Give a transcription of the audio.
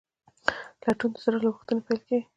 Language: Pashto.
لټون د زړه له غوښتنې پیل کېږي.